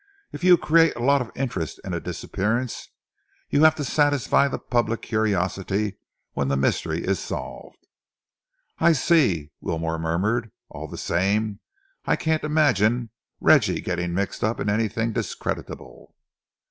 If you create a lot of interest in a disappearance, you have to satisfy the public curiosity when the mystery is solved." "I see," Wilmore murmured. "All the same, I can't imagine Reggie getting mixed up in anything discreditable."